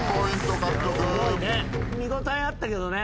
見応えあったけどね。